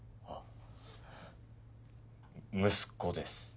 あっ息子です。